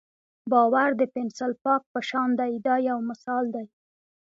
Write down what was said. باور د پنسل پاک په شان دی دا یو مثال دی.